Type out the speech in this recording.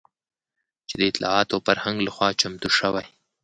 چې د اطلاعاتو او فرهنګ لخوا چمتو شوى